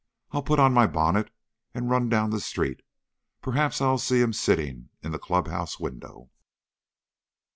I'll put on my bonnet and run down the street. Perhaps I'll see him sitting in the club house window!"